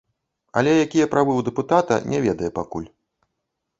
Але якія правы ў дэпутата, не ведае пакуль.